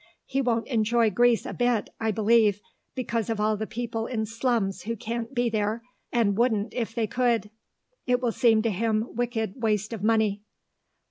He won't enjoy Greece a bit, I believe, because of all the people in slums who can't be there, and wouldn't if they could. It will seem to him wicked waste of money.